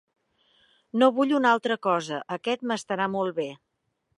No vull una altra cosa, aquest m'estarà molt bé.